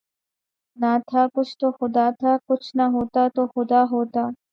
نہ تھا کچھ تو خدا تھا، کچھ نہ ہوتا تو خدا ہوتا